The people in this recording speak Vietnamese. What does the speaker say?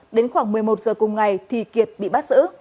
đến khoảng một mươi một giờ cùng ngày thì kiệt bị bắt giữ